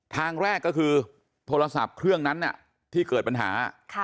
ทางแรกก็คือโทรศัพท์เครื่องนั้นที่เกิดปัญหา